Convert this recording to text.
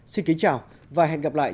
xin kính chào và hẹn gặp lại